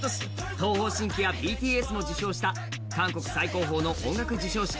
東方神起やＢＴＳも受賞した韓国最高峰の音楽授賞式